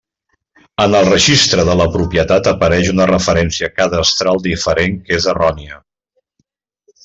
En el Registre de la Propietat apareix una referència cadastral diferent que és errònia.